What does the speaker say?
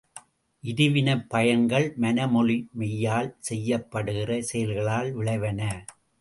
இருவினைப் பயன்கள் மன மொழி மெய்யால் செய்யப்படுகிற செயல்களால் விளைவன.